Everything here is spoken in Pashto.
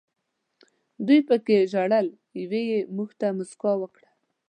دوو پکې ژړل، یوې یې موږ ته موسکا وکړه.